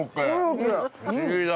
不思議だ。